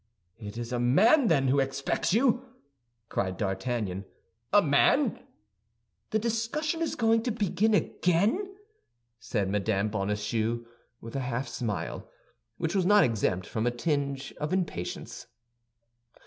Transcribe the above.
"It is a man, then, who expects you?" cried D'Artagnan. "A man!" "The discussion is going to begin again!" said Mme. Bonacieux, with a half smile which was not exempt from a tinge of impatience.